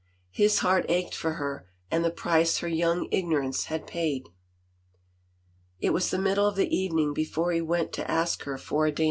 ... His heart ached for her and the price her young ignorance had paid. It was the middle of the evening before he went to ask her for a dance.